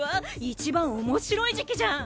一番面白い時期じゃん！